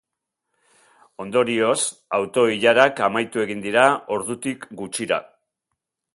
Ondorioz, auto-ilarak amaitu egin dira ordutik gutxira.